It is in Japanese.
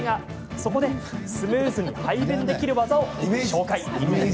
そこでスムーズに排便できるワザを紹介。